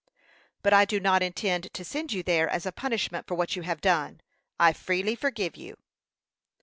"But I do not intend to send you there as a punishment for what you have done. I freely forgive you."